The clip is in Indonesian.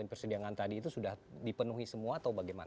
persidangan tadi itu sudah dipenuhi semua atau bagaimana